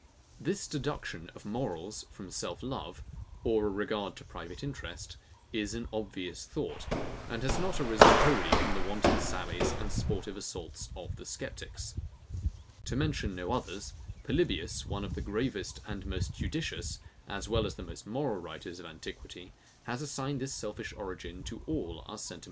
This deduction of morals from self love, or a regard to private interest, is an obvious thought, and has not arisen wholly from the wanton sallies and sportive assaults of the sceptics. To mention no others, Polybius, one of the gravest and most judicious, as well as most moral writers of antiquity, has assigned this selfish origin to all our sentiments of virtue.